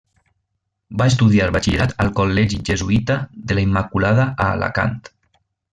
Va estudiar batxillerat al col·legi jesuïta de la Immaculada a Alacant.